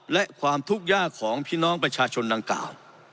และความทุกข์ยากของพี่น้องประชาชนดังกล่าว